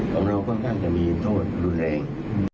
ของเราค่อนข้างจะมีโทษรุนแรง